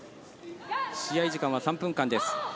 試合時間は３分間です。